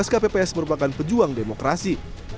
kpp s merupakan pejuang demokrasi